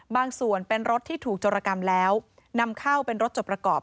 ส่วนเป็นรถที่ถูกโจรกรรมแล้วนำเข้าเป็นรถจดประกอบ